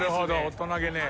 大人げねえ。